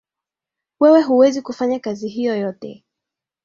Wewe huwezi kufanya kazi hiyo yote